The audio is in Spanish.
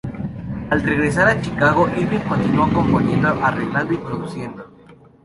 Al regresar a Chicago, Irving continuó componiendo, arreglando y produciendo.